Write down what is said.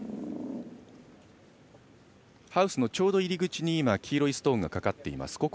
ハウスのちょうど入り口に黄色いストーンがかかっています。